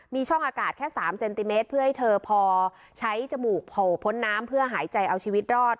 มีช่องอากาศแค่๓เซนติเมตรเพื่อให้เธอพอใช้จมูกโผล่พ้นน้ำเพื่อหายใจเอาชีวิตรอด